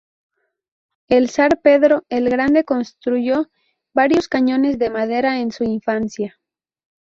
El zar Pedro el Grande construyó varios cañones de madera en su infancia.